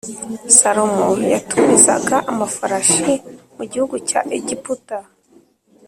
Salomo yatumizaga amafarashi mu gihugu cya Egiputa